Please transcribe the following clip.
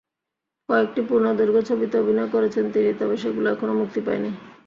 কয়েকটি পূর্ণদৈর্ঘ্য ছবিতে অভিনয় করেছেন তিনি, তবে সেগুলো এখনো মুক্তি পায়নি।